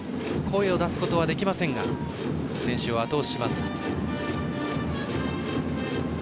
声を出すことはできませんが選手をあと押しします。